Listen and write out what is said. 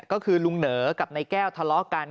ก็คือลุงเหนอกับนายแก้วทะเลาะกัน